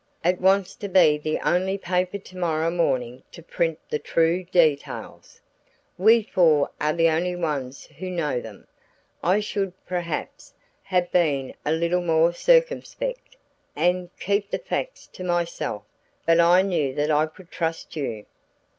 It wants to be the only paper tomorrow morning to print the true details. We four are the only ones who know them. I should, perhaps, have been a little more circumspect, and kept the facts to myself, but I knew that I could trust you."